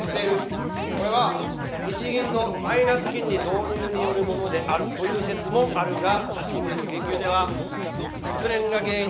これは日銀のマイナス金利導入によるものであるという説もあるが近年の研究では失恋が原因とされている。